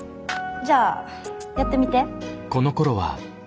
じゃあやってみて。